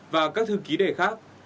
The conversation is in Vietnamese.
và các thư ký đề khác